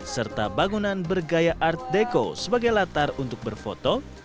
serta bangunan bergaya art deco sebagai latar untuk berfoto